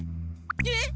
えっ！？